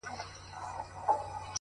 • د ناروا زوی نه یم،